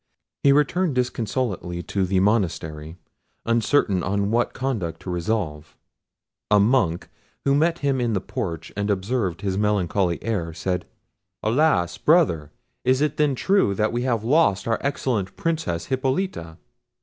He returned disconsolately to the monastery, uncertain on what conduct to resolve. A Monk, who met him in the porch and observed his melancholy air, said— "Alas! brother, is it then true that we have lost our excellent Princess Hippolita?"